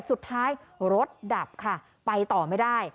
สุดท้ายรถดับค่ะไปต่อไม่ได้